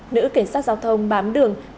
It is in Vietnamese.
nữ cảnh sát giao thông bám đường